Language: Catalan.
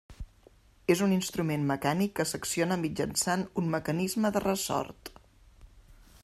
És un instrument mecànic que s'acciona mitjançant un mecanisme de ressort.